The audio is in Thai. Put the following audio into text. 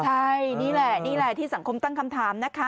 ใช่นี่แหละนี่แหละที่สังคมตั้งคำถามนะคะ